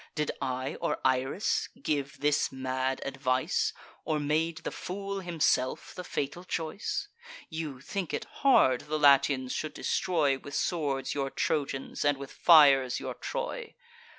Did I or Iris give this mad advice, Or made the fool himself the fatal choice? You think it hard, the Latians should destroy With swords your Trojans, and with fires your Troy!